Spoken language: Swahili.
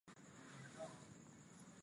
Safisha viazi vyako